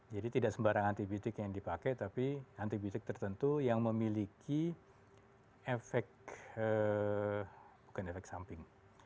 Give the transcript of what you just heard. jadi tidak sembarang anti biotik yang dipakai tapi anti biotik tertentu yang memiliki efek bukan efek samping